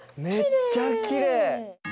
めっちゃきれい！